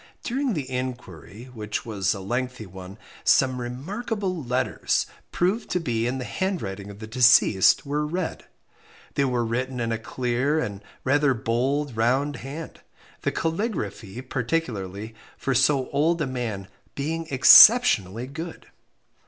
During the inquiry, which was a lengthy one, some remarkable letters, proved to be in the handwriting of the deceased, were read. They were written in a clear, and rather bold round hand, the caligraphy particularly, for so old a man, being exceptionally good.